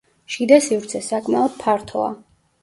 შიდა სივრცე საკმაოდ ფართოა.